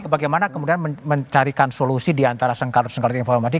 bagaimana kemudian mencarikan solusi diantara sengkarut sengkali informasi